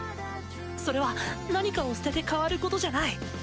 それは何かを捨てて変わることじゃない。